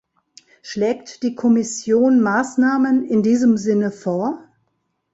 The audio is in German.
Schlägt die Kommission Maßnahmen in diesem Sinne vor?